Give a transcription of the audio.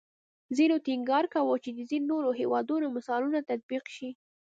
ځینو ټینګار کوو چې د ځینې نورو هیوادونو مثالونه تطبیق شي